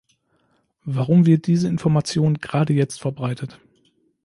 Warum wird diese Information gerade jetzt verbreitet?